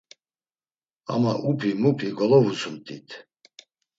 Ama upi mupi golovusumt̆it.